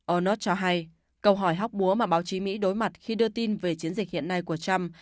ông narught cho hay câu hỏi hóc búa mà báo chí mỹ đối mặt khi đưa tin về chiến dịch hiện nay của trump